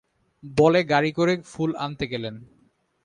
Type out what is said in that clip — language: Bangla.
বলে গাড়ি করে ফুল আনতে গেলেন।